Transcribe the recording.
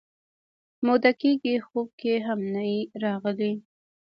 موده کېږي خوب کې هم نه یې راغلی